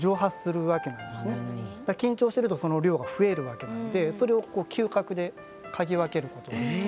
緊張してるとその量が増えるわけなんでそれを嗅覚で嗅ぎ分けることができる。